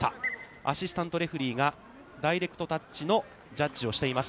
アシスタントレフリーがダイレクトタッチのジャッジをしています。